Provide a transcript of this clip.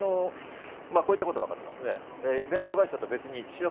こういったことがわかっています。